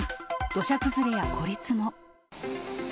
土砂崩れや孤立も。